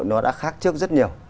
nó đã khác trước rất nhiều